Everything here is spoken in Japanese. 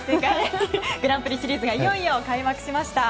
グランプリシリーズがいよいよ開幕しました。